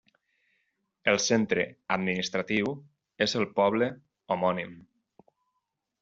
El centre administratiu és el poble homònim.